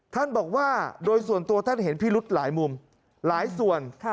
ท่านบอกว่าโดยส่วนตัวท่านเห็นพิรุธหลายมุมหลายส่วน